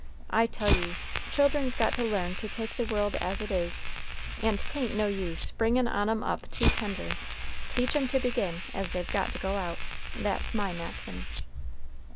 I tell ye, children's got to learn to take the world as it is; and 'tain't no use bringin' on 'em up too tender. Teach 'em to begin as they've got to go out, that's my maxim."